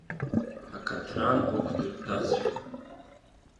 Акаҭран ықәдырҭәазшәа…